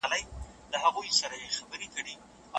د ژوند په دغه مشالونو کې به ځان ووينم